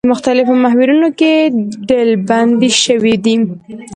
د مختلفو محورونو کې ډلبندي شوي دي.